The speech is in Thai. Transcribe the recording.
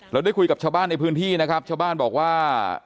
ได้คุยกับชาวบ้านในพื้นที่นะครับชาวบ้านบอกว่า